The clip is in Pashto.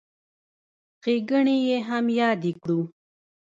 ښېګڼې یې هم یادې کړو.